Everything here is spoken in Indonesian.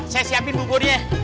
saya siapin buburnya